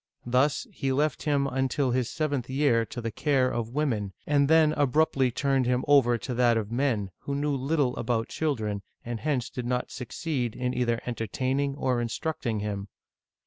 Thus, he left him un til his seventh year to the care of women, and then abruptly turned him over to that of men, who knew little about chil dren, and hence did not succeed in either entertaining or instructing him.